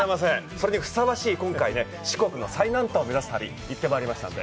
それにふさわしい、今回、四国の最南端を目指す旅に行ってまいりましたので。